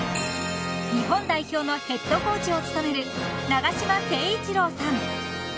［日本代表のヘッドコーチを務める長島圭一郎さん］